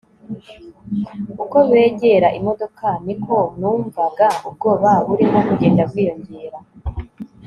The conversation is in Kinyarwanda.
uko begera imodoka niko numvaga ubwoba burimo kugenda bwiyongera